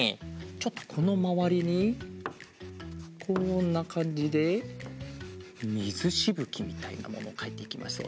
ちょっとこのまわりにこんなかんじでみずしぶきみたいなものかいていきますよ。